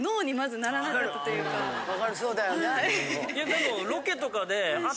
でも。